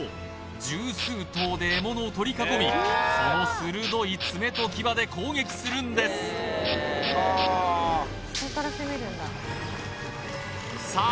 十数頭で獲物を取り囲みその鋭い爪と牙で攻撃するんですさあ